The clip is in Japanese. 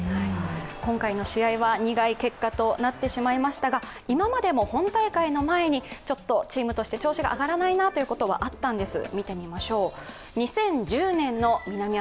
今回の試合は苦い結果となってしまいましたが今までも本大会の前にちょっとチームとして調子が上がらないことはあったんです。